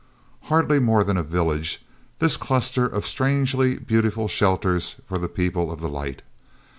ardly more than a village, this cluster of strangely beautiful shelters for the People of the Light.